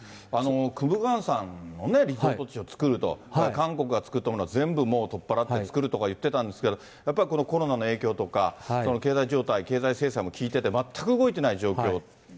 クムグァンサンのリゾート地を作ると、韓国が作ったものを全部取っ払って作るとかいってたんですけど、やっぱりコロナの影響とか、経済状態、経済制裁も効いてて、全く動いてない状況。